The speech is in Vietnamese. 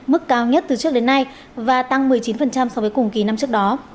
mức cao nhất từ trước đến nay và tăng một mươi chín so với cùng kỳ năm trước đó